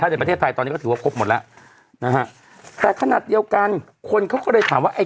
ถ้าเกิดประเทศไทยตอนนี้ก็ถือว่าครบหมดแล้วแต่ขนาดเดียวกันคนเขาก็ได้ถามว่า